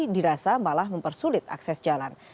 dirasa malah mempersulit akses jalan